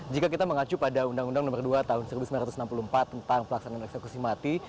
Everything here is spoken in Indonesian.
jika kita mengacu pada undang undang nomor dua tahun seribu sembilan ratus enam puluh empat tentang pelaksanaan eksekusi mati